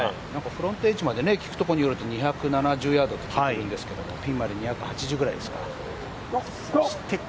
フロントエッジまで聞くところによると２７０ヤードって聞いているんですがピンまでは２８０ぐらいですか。